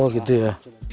oh gitu ya